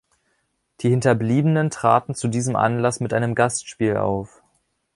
Die Hinterbliebenen traten zu diesem Anlass mit einem Gastspiel auf.